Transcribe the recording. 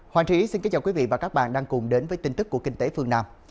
hoàng trí xin kính chào quý vị và các bạn đang cùng đến với tin tức của kinh tế phương nam